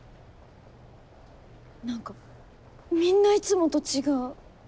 何かみんないつもと違う。